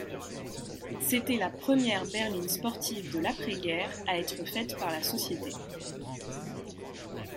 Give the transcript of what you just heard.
C'était la première berline sportive de l'après-guerre à être faite par la société.